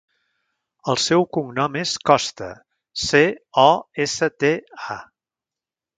El seu cognom és Costa: ce, o, essa, te, a.